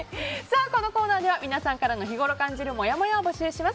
このコーナーでは皆さんからの日ごろ感じるもやもやを募集します。